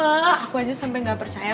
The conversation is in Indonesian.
aku aja sampai gak percaya